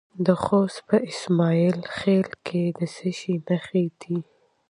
د خوست په اسماعیل خیل کې د څه شي نښې دي؟